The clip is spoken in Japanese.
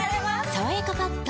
「さわやかパッド」